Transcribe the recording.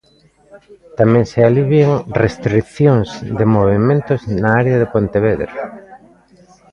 Tamén se alivian restricións de movementos na área de Pontevedra.